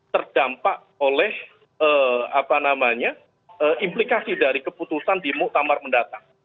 terdampak oleh implikasi dari keputusan di muktamar mendatang